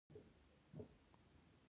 په شنه خونه کې د تودوخې درجه څومره وي؟